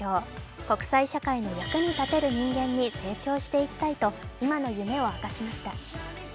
国際社会の役に立てる人間に成長していきたいと今の夢を明かしました。